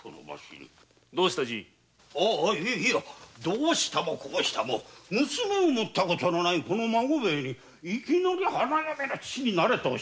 どうしたもこうしたも娘をもった事のないこの孫兵衛にいきなり花嫁の父になれなどと。